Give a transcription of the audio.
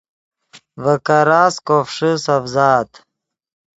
ڤے کراست کوفݰے سڤزآت